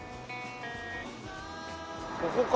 ここか。